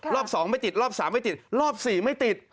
รอบ๒ไม่ติดรอบ๓ไม่ติดรอบ๔ไม่ติด